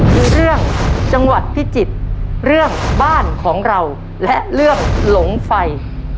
คือเรื่องจังหวัดพิจิตรเรื่องบ้านของเราและเรื่องหลงไฟ